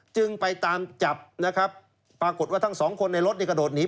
จึงไปตามจับนะครับปรากฏว่าทั้งสองคนในรถเนี่ยกระโดดหนี